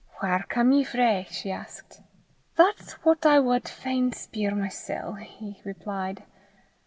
"Whaur come ye frae?" she asked. "That's what I wad fain speir mysel'," he replied.